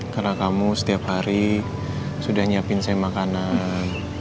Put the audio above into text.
karena kamu setiap hari sudah nyiapin saya makanan